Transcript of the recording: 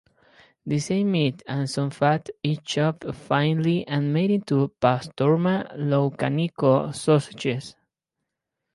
The same meat and some fat is chopped finely and made into pastourma-loukaniko sausages.